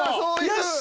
よし！